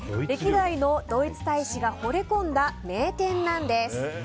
歴代のドイツ大使がほれ込んだ名店なんです。